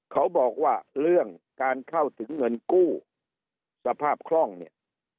เขาบอกว่าเรื่องการเข้าถึงเงินกู้สภาพคล่องเนี่ย